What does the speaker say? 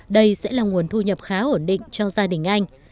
đây sẽ là nguồn thu nhập khá ổn định cho gia đình anh